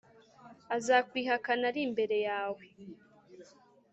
azakwihakana ari imbere yawe